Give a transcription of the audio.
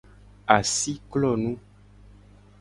Asi klonu.